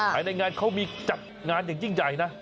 ภายในงานเขามีจัดงานอย่างยิ่งใหญ่นะ